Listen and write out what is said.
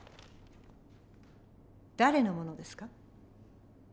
誰のものですか？